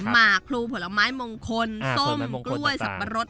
มากลูผลไม้มงคลส้มกล้วยสัตว์ประอดภรรด